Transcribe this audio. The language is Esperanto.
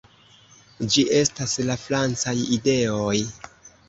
Ĝi estas la francaj ideoj.